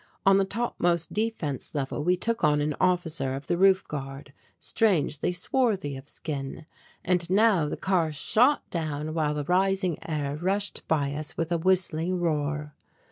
On the topmost defence level we took on an officer of the roof guard strangely swarthy of skin and now the car shot down while the rising air rushed by us with a whistling roar.